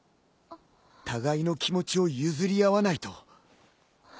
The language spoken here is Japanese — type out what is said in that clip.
互いの気持ちを譲り合わないと。